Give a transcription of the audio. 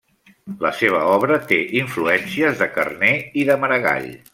La seva obra té influències de Carner i de Maragall.